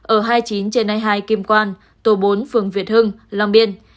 ở hai mươi chín trên a hai kim quan tổ bốn phường việt hưng long biên